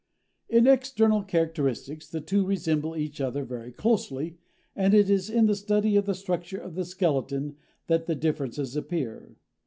In external characteristics the two resemble each other very closely, and it is in the study of the structure of the skeleton that the differences appear.